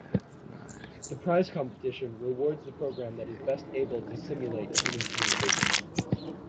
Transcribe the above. The prize competition rewards the program that is best able to simulate human communication.